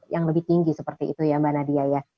yang lebih tinggi seperti itu ya mbak nadia ya